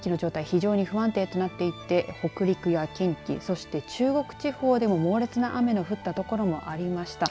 非常に不安定となっていて北陸や近畿そして中国地方でも猛烈な雨の降った所もありました。